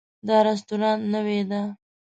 دا رستورانت نوی ده